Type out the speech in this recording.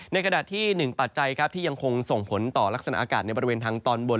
ในขณะที่หนึ่งปัจจัยครับที่ยังคงส่งผลต่อลักษณะอากาศในบริเวณทางตอนบน